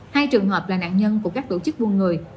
hai trường hợp là nạn nhân của các tổ chức buôn người